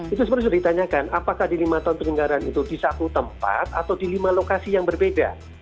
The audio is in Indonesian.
itu sebenarnya sudah ditanyakan apakah di lima tahun penyelenggaraan itu di satu tempat atau di lima lokasi yang berbeda